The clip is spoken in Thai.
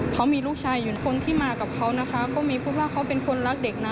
เขามีลูกชายอยู่คนที่มากับเขานะคะก็มีพูดว่าเขาเป็นคนรักเด็กนะ